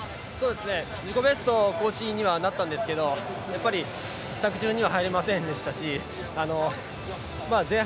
自己ベスト更新にはなったんですがやっぱり、着順には入れませんでしたし前半